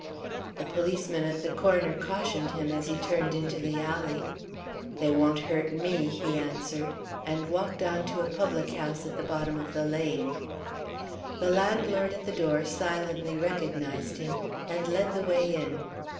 The policeman at the corner cautioned him as he turned into the alley. "They won't hurt me!" he answered, and walked on to a public house at the bottom of the lane. The landlord at the door silently recognized him, and led the way in.